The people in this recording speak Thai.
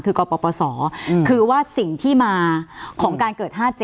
คือกปศคือว่าสิ่งที่มาของการเกิด๕๗